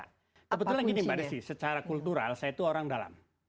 sebetulnya gini mbak desi secara kultural saya itu orang dalam